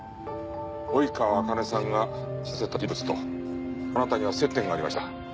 追川茜さんが死なせた人物とあなたには接点がありました。